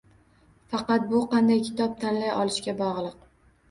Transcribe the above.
Faqat bu qanday kitob tanlay olishga bog‘liq